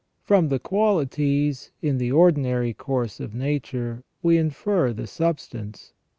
From the qualities, in the ordinary course of nature, we infer the substance.